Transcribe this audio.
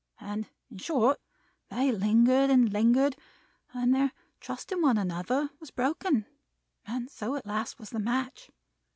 And in short, they lingered and lingered, and their trust in one another was broken, and so at last was the match.